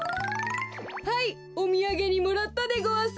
はいおみやげにもらったでごわす。